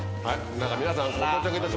皆さんご到着いたしました。